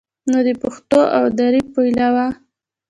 نو د پښتو او دري په علاوه